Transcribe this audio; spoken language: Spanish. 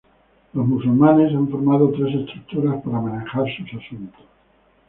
Los musulmanes han formado tres estructuras para manejar sus asuntos.